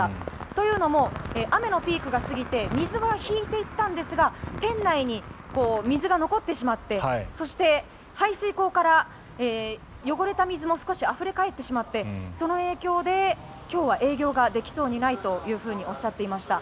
というのも雨のピークが過ぎて水は引いていったんですが店内に水が残ってしまってそして、排水溝から汚れた水も少しあふれ返ってしまってその影響で今日は営業ができそうにないとおっしゃっていました。